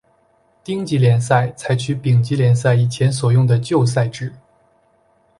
丁级联赛采取丙级联赛以前所用的旧赛制。